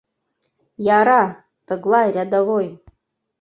Яра — тыглай, рядовой.